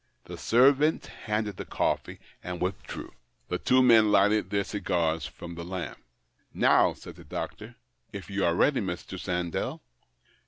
The servant handed the coffee, and withdrew. The two men lii^'hted their o cigars from the lamp. "Now," said the doctor, "if you are ready, Mr. Sandell."